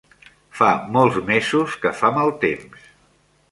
Fa molts mesos que fa mal temps.